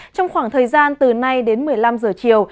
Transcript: trong khoảng thời gian từ nay đến một mươi năm giờ chiều